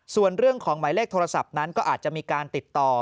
ส่วนเรื่องของหมายเลขโทรศัพท์นั้นก็อาจจะมีการติดต่อ